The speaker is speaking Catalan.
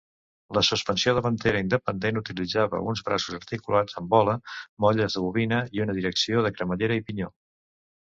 La suspensió davantera independent utilitzava uns braços articulats amb bola, molles de bobina i una direcció de cremallera i pinyó.